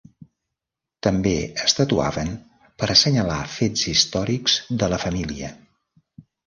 També es tatuaven per assenyalar fets històrics de la família.